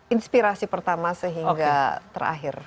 inspirasi pertama sehingga terakhir